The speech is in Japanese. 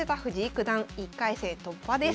１回戦突破です。